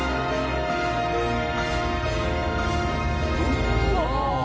うわ！